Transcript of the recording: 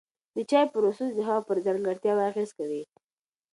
د چای پروسس د هغه پر ځانګړتیاوو اغېز کوي.